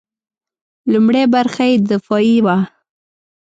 لومړۍ برخه یې دفاعي وه.